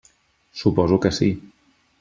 Suposo que sí.